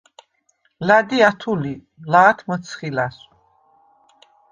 ლა̈დი ა̈თუ ლი, ლა̄თ მჷცხი ლა̈სვ.